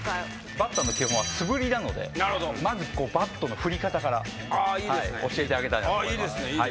バッターの基本は素振りなのでまずバットの振り方から教えてあげたいなと思います。